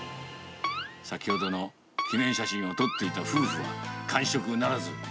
先ほどの記念写真を撮っていた夫婦は、完食ならず。